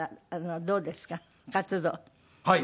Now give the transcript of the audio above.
はい。